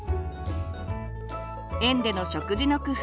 園での食事の工夫